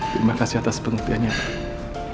terima kasih atas pengertiannya pak